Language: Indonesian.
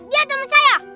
dia temen saya